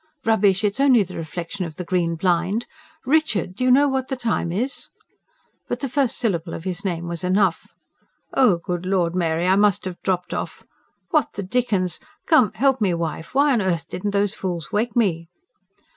"Rubbish. It's only the reflection of the green blind. RICHARD! Do you know what the time is?" But the first syllable of his name was enough. "Good Lord, Mary, I must have dropped off. What the dickens.... Come, help me, wife. Why on earth didn't those fools wake me?"